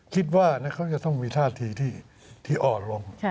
คิดว่าเขาจะต้องมีท่าทีที่อ่อนลง